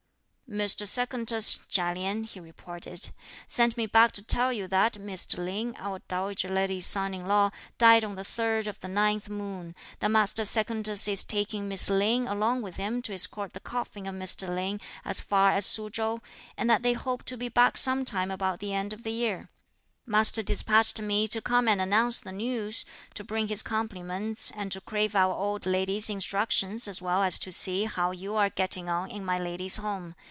"Mr. Secundus (Chia Lien)," he reported, "sent me back to tell you that Mr. Lin (our dowager lady's) son in law, died on the third of the ninth moon; that Master Secundus is taking Miss Lin along with him to escort the coffin of Mr. Lin as far as Su Chow; and that they hope to be back some time about the end of the year. Master despatched me to come and announce the news, to bring his compliments, and to crave our old lady's instructions as well as to see how you are getting on in my lady's home.